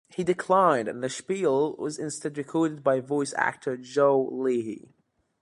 He declined and the spiel was instead recorded by voice actor Joe Leahy.